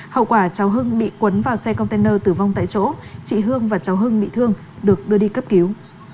hậu quả cháu hưng bị quấn vào xe container tử vong tại chỗ chị hương và cháu hưng bị thương được đưa đi cấp cứu